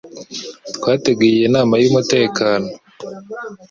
Twateguye iyi nama y'umutekano